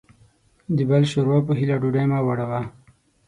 د بل د ښور وا په هيله ډوډۍ مه وړوه.